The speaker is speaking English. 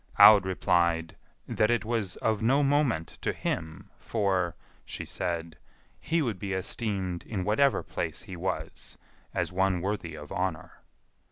Aud replied, "That it was of no moment to him, for," she said, "he would be esteemed in whatever place he was, as one worthy of honour."